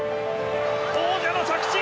王者の着地！